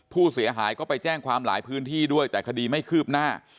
ผู้เสียหายก็ไปแจ้งความหลายพื้นที่ด้วยแต่คดีไม่คืบหน้า